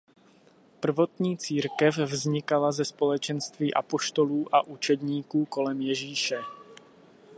Prvotní církev vznikala ze společenství apoštolů a učedníků kolem Ježíše.